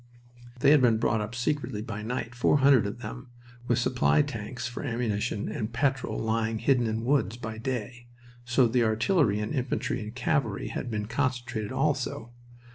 They had been brought up secretly by night, four hundred of them, with supply tanks for ammunition and petrol lying hidden in woods by day. So the artillery and infantry and cavalry had been concentrated also.